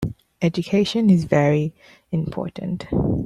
Education is very important.